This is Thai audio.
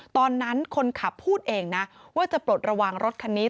ตอนนั้นคนขับพูดเองนะว่าจะปลดระวังรถคันนี้